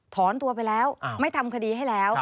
ถอนตัวไปแล้วไม่ทำคดีให้แล้ว